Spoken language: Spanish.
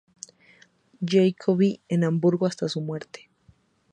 Jacobi en Hamburgo hasta su muerte.